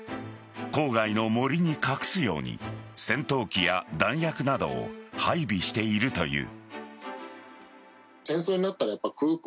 郊外の森に隠すように戦闘機や弾薬などを配備しているという。